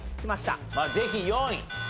ぜひ４位。